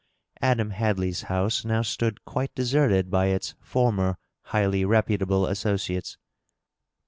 Adam Hadley's house now stood quite deserted by its former highly reputable associates.